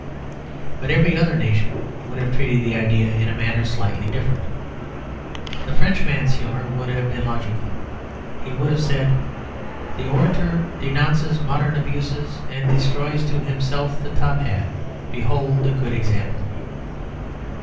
But every other nation would have treated the idea in a manner slightly different. The Frenchman's humour would have been logical: he would have said, "The orator denounces modern abuses and destroys to himself the top hat: behold a good example!"